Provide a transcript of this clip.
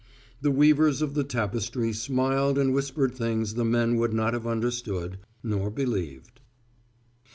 The weavers of the tapestry smiled and whispered things the men would not have understood nor believed.